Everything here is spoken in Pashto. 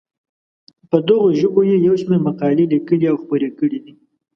په دغو ژبو یې یو شمېر مقالې لیکلي او خپرې کړې دي.